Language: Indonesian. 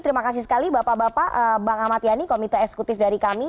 terima kasih sekali bapak bapak bang ahmad yani komite eksekutif dari kami